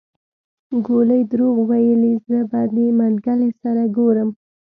ګولي دروغ ويلي زه به د منګلي سره ګورم.